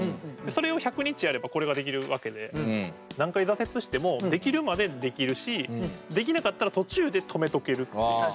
それを１００日やればこれが出来るわけで何回挫折しても出来るまでできるし出来なかったら途中で止めとけるっていう。